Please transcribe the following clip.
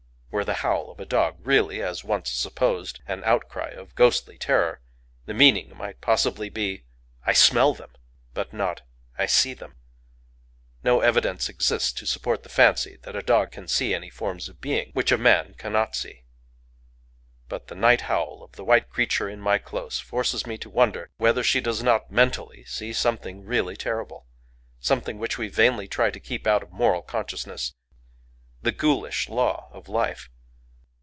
Were the howl of a dog really—as once supposed—an outcry of ghostly terror, the meaning might possibly be, "I smell Them!"—but not, "I see Them!" No evidence exists to support the fancy that a dog can see any forms of being which a man cannot see. But the night howl of the white creature in my close forces me to wonder whether she does not mentally see something really terrible,—something which we vainly try to keep out of moral consciousness: the ghoulish law of life.